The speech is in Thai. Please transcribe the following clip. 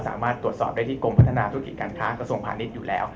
สามารถตรวจสอบได้ที่กรมพัฒนาธุรกิจการค้ากระทรวงพาณิชย์อยู่แล้ว